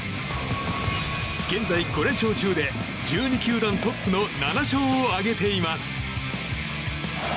現在５連勝中で１２球団トップの７勝を挙げています。